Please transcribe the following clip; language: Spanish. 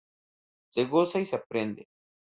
Se goza y se aprende.